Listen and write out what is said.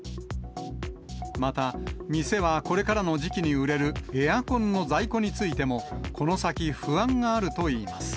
また、店はこれからの時期に売れるエアコンの在庫についても、この先、不安があるといいます。